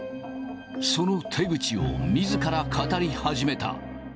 その手口をみずから語り始めた。